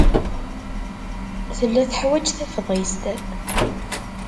Tella teḥwaj tafḍist.